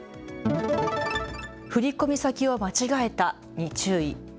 振込先を間違えたに注意。